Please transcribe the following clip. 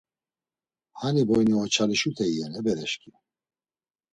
Hani boyne oçalişute iyen e bereşǩimi!